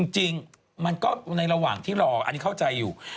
จริงมันก็ในระหว่างที่รออันนี้เข้าใจอยู่